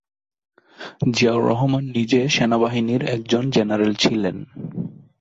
জিয়াউর রহমান নিজে সেনাবাহিনীর একজন জেনারেল ছিলেন।